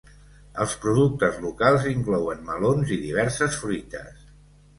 Els productes locals inclouen melons i diverses fruites.